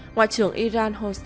ngoại trưởng iran hossein